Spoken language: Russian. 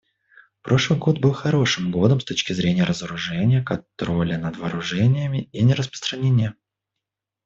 Прошлый год был хорошим годом с точки зрения разоружения, контроля над вооружениями и нераспространения.